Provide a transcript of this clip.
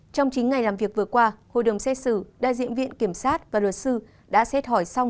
trong chín ngày làm việc vừa qua hội đồng xét xử đại diện viện kiểm sát và luật sư đã xét hỏi xong